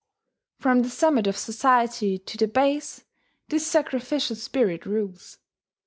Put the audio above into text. From the summit of society to the base, this sacrificial spirit rules.